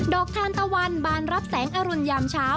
ทานตะวันบานรับแสงอรุณยามเช้า